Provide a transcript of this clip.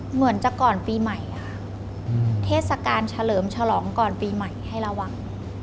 เหมือนจะก่อนปีใหม่ค่ะเทศกาลเฉลิมฉลองก่อนปีใหม่ให้ระวัง